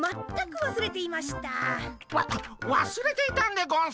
わわすれていたんでゴンスか？